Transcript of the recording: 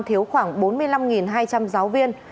thiếu khoảng bốn mươi năm hai trăm linh giáo viên